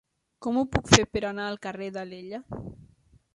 Com ho puc fer per anar al carrer d'Alella?